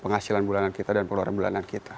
penghasilan bulanan kita dan pengeluaran bulanan kita